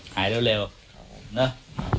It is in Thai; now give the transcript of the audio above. หายเร็วนะ